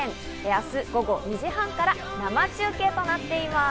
明日午後２時半から生中継となっております。